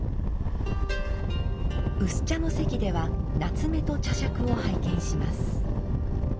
薄茶の席では棗と茶杓を拝見します。